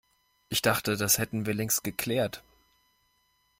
Ich dachte, das hätten wir längst geklärt.